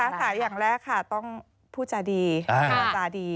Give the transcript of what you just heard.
ค้าขายอย่างแรกค่ะต้องผู้จาดี